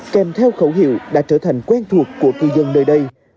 kèm theo khẩu hiệu đã trở thành quen thuộc của cư dân nơi đây